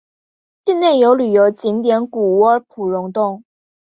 境内有旅游景点谷窝普熔洞。